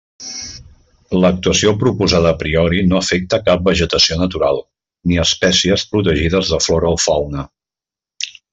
L'actuació proposada a priori no afecta cap vegetació natural, ni a espècies protegides de flora o fauna.